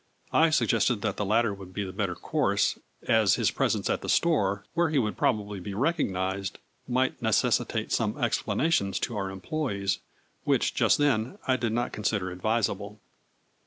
I suggested that the latter would be the better course, as his presence at the store where he would probably be recog nized, might necessitate some explanations to our employes, which, j ust then, I did not con sider advisable.